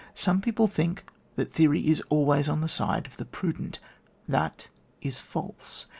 Some people think that theory is always on the side of the prudent. That is false.